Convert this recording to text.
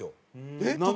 えっ！